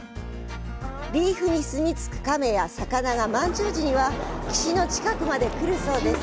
リーフに住みつくカメや魚が満潮時には岸の近くまで来るそうです。